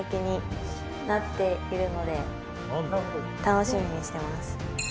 楽しみにしてます。